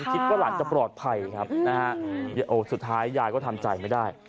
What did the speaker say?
คิดว่าหลานจะปลอดภัยครับนะฮะสุดท้ายยายก็ทำใจไม่ได้